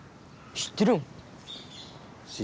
知ってるわ。